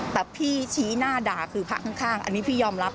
แต่พี่ชี้หน้าด่าคือพระข้างอันนี้พี่ยอมรับ